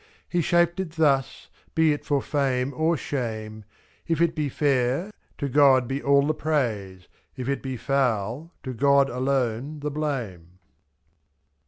He shaped it thus, be it for fame or shame; ^Z. If it be fair — to God be all the praise, If it be foul — to God alone the blame.